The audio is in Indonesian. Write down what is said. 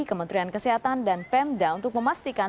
kementerian kesehatan dan pemda untuk memastikan